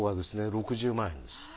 ６０万円です。